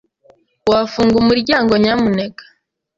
Wafunga umuryango, nyamuneka?